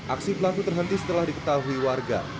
aksi pelaku terhenti setelah diketahui warga